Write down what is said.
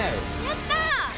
やった！